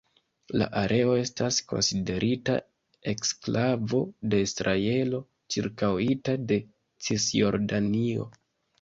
La areo estas konsiderita eksklavo de Israelo, ĉirkaŭita de Cisjordanio.